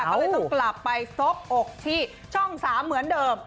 ก็เลยต้องกลับไปซบอกที่ช่อง๓เหมือนเดิม